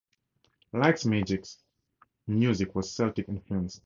Light Magic's music was Celtic-influenced.